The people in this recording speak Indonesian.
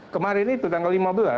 kemarin itu tanggal lima belas